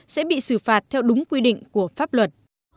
sẽ bị xử phạt theo đúng quy định của pháp luật